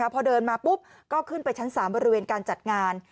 พอเดินมาปุ๊บก็ขึ้นไปชั้น๓บริเวณการจัดงาน